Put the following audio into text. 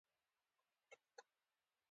هغه په هغو شیانو پوهېده چې زه نه په پوهېدم.